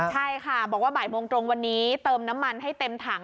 ใช่ค่ะบอกว่าบ่ายโมงตรงวันนี้เติมน้ำมันให้เต็มถัง